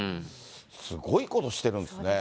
すごいことしてるんですね。